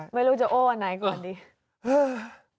ไม่รู้จะโอ้อันไหนก่อนดี